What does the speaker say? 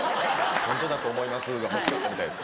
「ホントだと思います」が欲しかったみたいです。